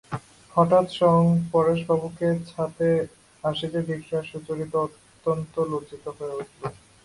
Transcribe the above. হঠাৎ স্বয়ং পরেশবাবুকে ছাতে আসিতে দেখিয়া সুচরিতা অত্যন্ত লজ্জিত হইয়া উঠিল।